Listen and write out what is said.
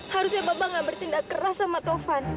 harusnya mama gak bertindak keras sama taufan